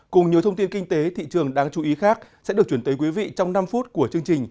cùng nhiều thông tin kinh tế thị trường đáng chú ý khác sẽ được chuyển tới quý vị trong năm phút của chương trình